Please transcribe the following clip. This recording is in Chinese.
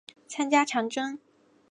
参加长征。